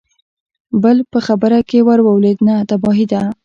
بل په خبره کې ور ولوېد: نه، تباهي ده!